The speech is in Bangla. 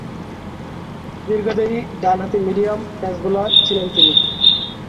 দীর্ঘদেহী, ডানহাতি মিডিয়াম পেস বোলার ছিলেন তিনি।